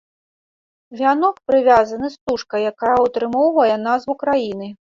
Вянок прывязаны стужкай, якая ўтрымоўвае назву краіны.